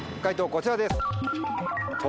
こちらです。